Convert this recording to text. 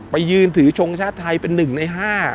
ไปยืนถือชันชาติไทยเป็นหนึ่งในห้า